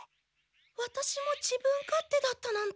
ワタシも自分勝手だったなんて。